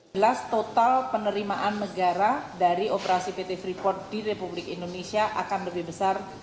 jelas total penerimaan negara dari operasi pt freeport di republik indonesia akan lebih besar